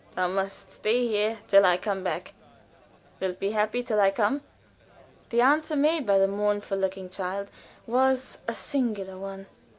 "Thou must stay here till I come back. Wilt be happy till I come?" The answer made by the mournful looking child was a singular one.